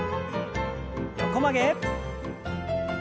横曲げ。